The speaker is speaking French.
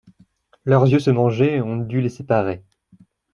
Leurs yeux se mangeaient, on dut les séparer.